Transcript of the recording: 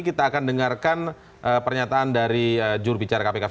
mendengarkan pernyataan dari jurubicara kpk